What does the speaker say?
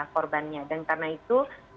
korbannya dan karena itu